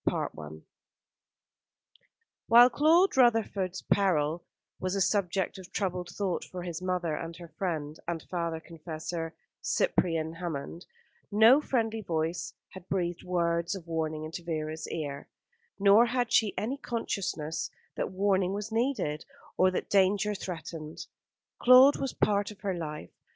CHAPTER VIII While Claude Rutherford's peril was a subject of troubled thought for his mother and her friend and father confessor, Cyprian Hammond, no friendly voice had breathed words of warning into Vera's ear; nor had she any consciousness that warning was needed, or that danger threatened. Claude was a part of her life.